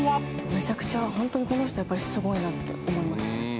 めちゃくちゃホントにこの人やっぱりすごいなって思いました。